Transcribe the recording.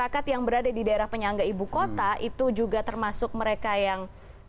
karena ibu kota itu juga termasuk mereka yang